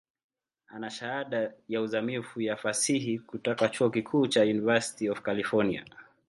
Ana Shahada ya uzamivu ya Fasihi kutoka chuo kikuu cha University of California.